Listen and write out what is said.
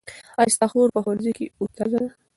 ایا ستا خور په ښوونځي کې استاده ده؟